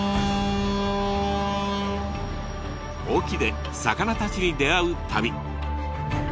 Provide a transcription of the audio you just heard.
隠岐で魚たちに出会う旅。